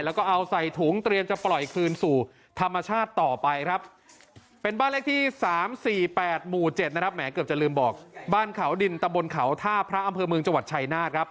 และก็เอาใส่ถูงเตรียมจะปล่าอยคืนสู่ธรรมชาติต่อไป